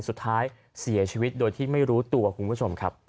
สุดท้ายเสียชีวิตโดยที่ไม่รู้ตัวคุณผู้ชมครับ